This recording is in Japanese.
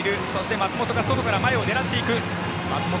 松本が外から前を狙っていく。